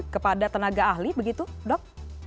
kepada tenaga ahli begitu dok